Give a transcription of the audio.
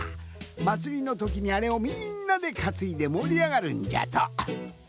まつりのときにあれをみんなでかついでもりあがるんじゃと。